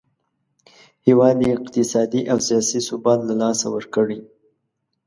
هیواد یې اقتصادي او سیاسي ثبات له لاسه ورکړی.